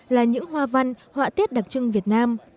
là những hoa văn họa tiết đặc trưng việt nam